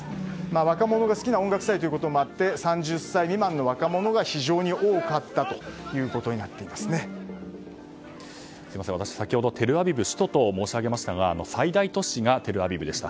若者が好きな音楽祭ということもあって３０歳未満の若者が非常に多かったということに私、先ほどテルアビブ首都と申しあげましたが最大都市がテルアビブでした。